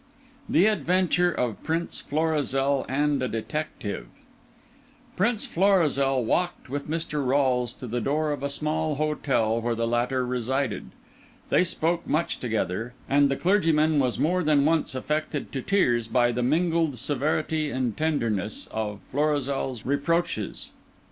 THE ADVENTURE OF PRINCE FLORIZEL AND A DETECTIVE Prince Florizel walked with Mr. Rolles to the door of a small hotel where the latter resided. They spoke much together, and the clergyman was more than once affected to tears by the mingled severity and tenderness of Florizel's reproaches.